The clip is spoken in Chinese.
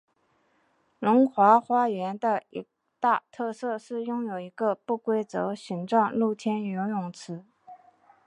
龙华花园的一大特色是拥有一个不规则形状露天游泳池。